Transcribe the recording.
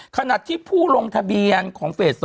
ขณะที่ผู้ลงทะเบียนของเฟส๒